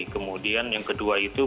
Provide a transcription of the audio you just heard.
kemudian yang kedua itu